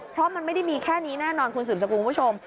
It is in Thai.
เพราะมันไม่ได้มีแค่นี้แน่นอนคุณสืบสกุลคุณผู้ชม